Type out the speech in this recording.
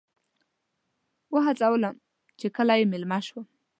هڅولم چې کله یې میلمه شم.